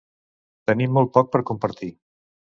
Tenim molt per compartir.